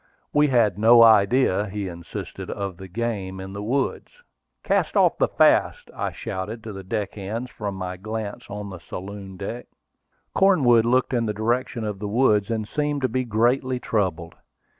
We had no idea, he insisted, of the game in the woods. "Cast off the fasts!" I shouted to the deckhands, from my place on the saloon deck. Cornwood looked in the direction of the woods, and seemed to be greatly troubled.